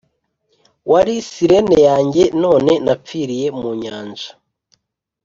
"wari siren yanjye, none napfiriye mu nyanja